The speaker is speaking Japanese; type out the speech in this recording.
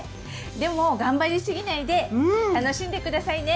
でも頑張りすぎないで楽しんで下さいね！